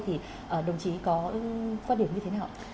thì đồng chí có quan điểm như thế nào